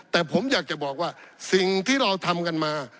แต่ผมอยากจะบอกว่าสิ่งที่เราทำกันมา